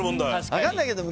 分かんないけど。